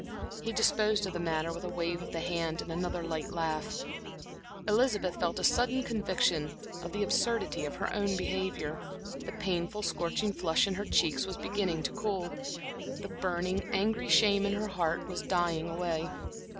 He disposed of the matter with a wave of the hand and another light laugh. Elizabeth felt a sudden conviction of the absurdity of her own behavior. The painful, scorching flush in her cheeks was beginning to cool; the burning, angry shame in her heart was dying away.